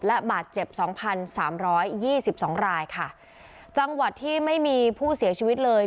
และบาดเจ็บสองพันสามร้อยยี่สิบสองรายค่ะจังหวัดที่ไม่มีผู้เสียชีวิตเลย